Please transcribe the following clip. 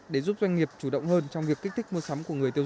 để giúp doanh nghiệp chủ động hơn trong việc kích thích mua sắm